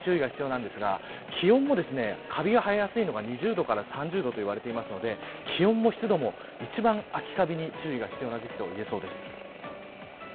なので、秋カビ、特に注意が必要なんですが気温もカビが生えやすいのは２０度から３０度と言われていますので気温も湿度も一番、秋カビに注意が必要な時期と言えそうです。